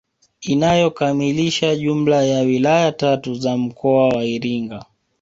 Inayokamilisha jumla ya wilaya tatu za mkoa wa Iringa